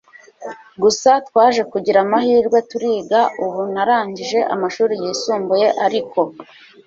gusa twaje kugira amahirwe turiga ubu narangije amashuri yisumbuye ariko